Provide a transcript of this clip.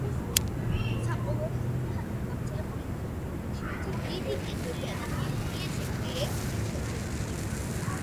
საყოველთაოდაა გავრცელებული, რომ ჩინეთის დიდი კედელი ადამიანის მიერ შექმნილი ერთადერთი ობიექტია.